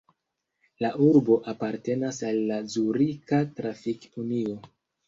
La urbo apartenas al la Zurika Trafik-Unio.